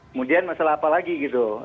kemudian masalah apa lagi gitu